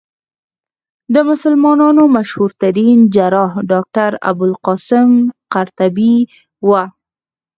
د مسلمانانو مشهورترين جراح ډاکټر ابوالقاسم قرطبي وو.